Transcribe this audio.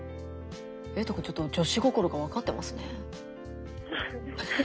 えいとくんちょっと女子心が分かってますね。